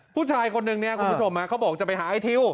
ผู้ชายคนหนึ่งก็จะไปหาไอ้ทิว